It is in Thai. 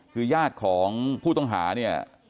คือญาติของผู้ต้องหาเนี่ย